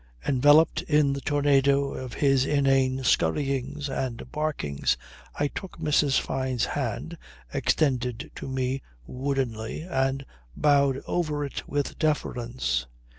Enveloped in the tornado of his inane scurryings and barkings I took Mrs. Fyne's hand extended to me woodenly and bowed over it with deference.